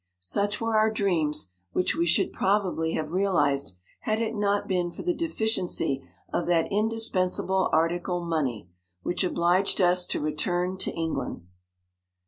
Such were our dreams, which we should probably have realized, had it not been for the deficiency of that indispensible article money, which obliged us to re turn to England.